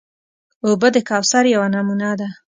اوبه د کوثر یوه نمونه ده.